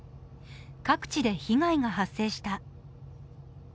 各地で被害が発生した。